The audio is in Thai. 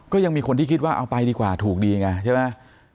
ก็ยังมีคนที่คิดว่าเอาไปดีกว่าถูกดีไงใช่ไหม